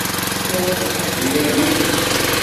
Tessawaleḍ taṭalyanit?